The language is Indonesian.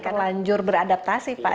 karena lanjur beradaptasi pak